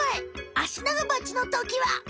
アシナガバチのときは。